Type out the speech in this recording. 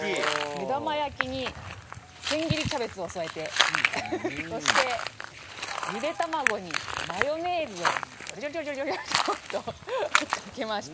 目玉焼きに千切りキャベツをそえてそしてゆでたまごにマヨネーズをジョロジョロジョロっとかけました。